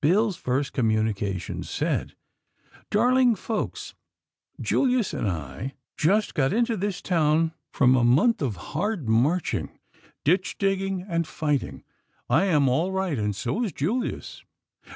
Bill's first communication said: "Darling Folks: Julius and I just got into this town from a month of hard marching, ditch digging and fighting. I am all right, and so is Julius.